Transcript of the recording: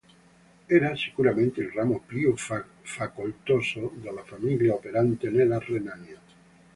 Era sicuramente il ramo più facoltoso della famiglia operante nella Renania.